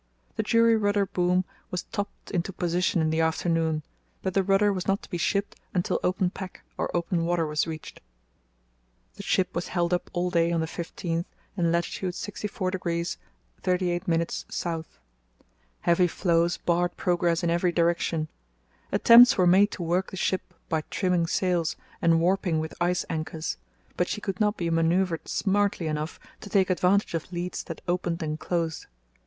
The jury rudder boom was topped into position in the afternoon, but the rudder was not to be shipped until open pack or open water was reached. The ship was held up all day on the 15th in lat. 64° 38´ S. Heavy floes barred progress in every direction. Attempts were made to work the ship by trimming sails and warping with ice anchors, but she could not be manœuvred smartly enough to take advantage of leads that opened and closed.